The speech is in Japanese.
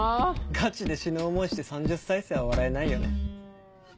ガチで死ぬ思いして３０再生は笑えないよね。